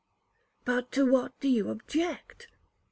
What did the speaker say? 'But to what do you object?